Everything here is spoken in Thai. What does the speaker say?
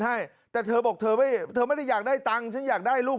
ให้แต่เธอบอกเธอไม่เธอไม่ได้อยากได้ตังค์ฉันอยากได้ลูก